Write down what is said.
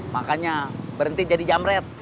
makanya berhenti jadi jambret